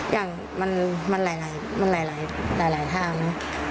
อย่างมันหลายทางเนอะ